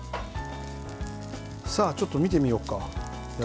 さあ、ちょっと見てみようか。